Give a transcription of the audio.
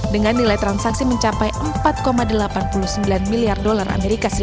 dengan nilai transaksi mencapai empat delapan puluh sembilan miliar dolar as